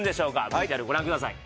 ＶＴＲご覧ください